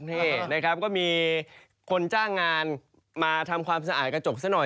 นี่นะครับก็มีคนจ้างงานมาทำความสะอาดกระจกซะหน่อย